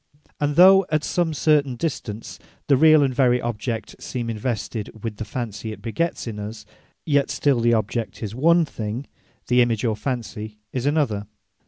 And though at some certain distance, the reall, and very object seem invested with the fancy it begets in us; Yet still the object is one thing, the image or fancy is another.